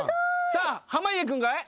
さあ濱家君かい？